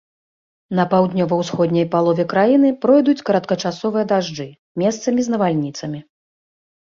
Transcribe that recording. На паўднёва-ўсходняй палове краіны пройдуць кароткачасовыя дажджы, месцамі з навальніцамі.